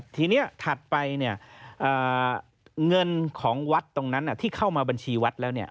ทีนี้ถัดไปเนี่ยเงินของวัดตรงนั้นที่เข้ามาบัญชีวัดแล้ว